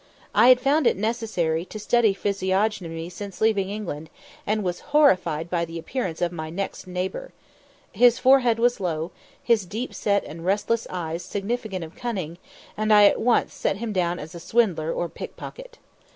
I had found it necessary to study physiognomy since leaving England, and was horrified by the appearance of my next neighbour. His forehead was low, his deep set and restless eyes significant of cunning, and I at once set him down as a swindler or pickpocket.